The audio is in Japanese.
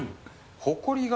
ほこりが。